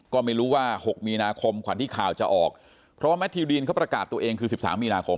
ก็ไม่รู้ว่า๖มีนาคมขวัญที่ข่าวจะออกเพราะแมททิวดีนเขาประกาศตัวเองคือ๑๓มีนาคม